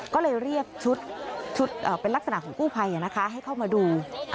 ก็เลยเรียกชุดเป็นลักษณะของกู้ภัยให้เข้ามาดู